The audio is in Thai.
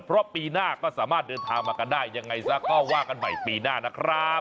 เพราะปีหน้าก็สามารถเดินทางมากันได้ยังไงซะก็ว่ากันใหม่ปีหน้านะครับ